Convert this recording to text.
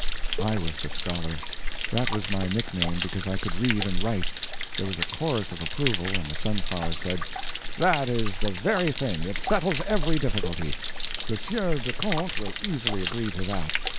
I was the Scholar. That was my nickname, because I could read and write. There was a chorus of approval, and the Sunflower said: "That is the very thing—it settles every difficulty. The Sieur de Conte will easily agree to that.